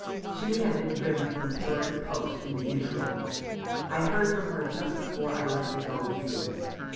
She had been driven from pillar to post in the interval. I heard from her just before I left the Gold fields.